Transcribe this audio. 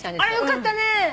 よかったね！